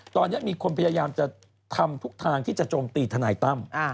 ตอนนี้มีคนพยายามจะทำทุกทางที่จะโจมตีทนายตั้ม